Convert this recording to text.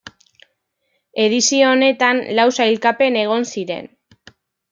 Edizio honetan lau sailkapen egon ziren.